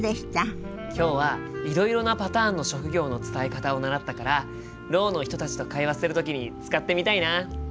今日はいろいろなパターンの職業の伝え方を習ったからろうの人たちと会話する時に使ってみたいな。